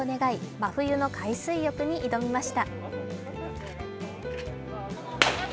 真冬の海水浴に挑みました。